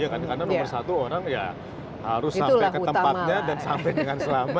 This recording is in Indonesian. karena nomor satu orang ya harus sampai ke tempatnya dan sampai dengan selama